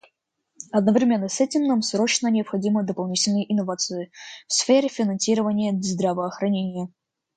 Одновременно с этим нам срочно необходимы дополнительные инновации в сфере финансирования здравоохранения.